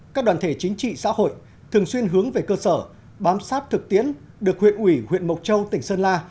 các đoàn thể chính trị xã hội thường xuyên hướng về cơ sở bám sát thực tiễn được huyện ủy huyện mộc châu tỉnh sơn la